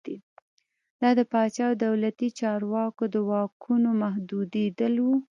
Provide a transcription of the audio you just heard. دا د پاچا او دولتي چارواکو د واکونو محدودېدل و.